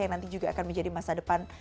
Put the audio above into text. yang nanti juga akan menjadi masa depan